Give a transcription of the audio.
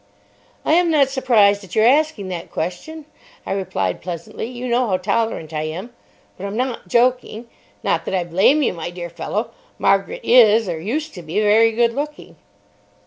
"I am not surprised at your asking that question," I replied pleasantly. "You know how tolerant I am. But I'm not joking. Not that I blame you, my dear fellow. Margaret is, or used to be, very good looking."